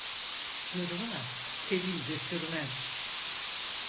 Zırva tevil götürmez.